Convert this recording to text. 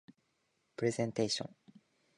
プレゼンテーション